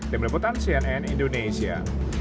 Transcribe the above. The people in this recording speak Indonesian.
demi repotan cnn indonesia